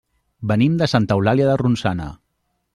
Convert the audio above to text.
Venim de Santa Eulàlia de Ronçana.